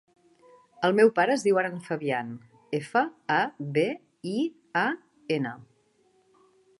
El meu pare es diu Aran Fabian: efa, a, be, i, a, ena.